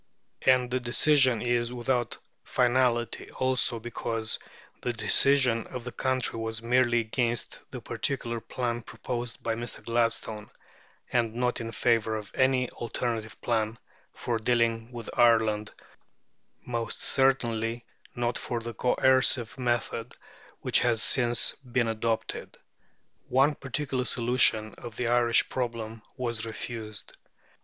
And the decision is without finality, also, because the decision of the country was merely against the particular plan proposed by Mr. Gladstone, and not in favour of any alternative plan for dealing with Ireland, most certainly not for the coercive method which has since been adopted. One particular solution of the Irish problem was refused.